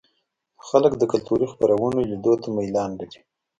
خلک د کلتوري خپرونو لیدو ته میلان لري.